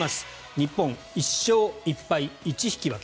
日本、１勝１敗１引き分け。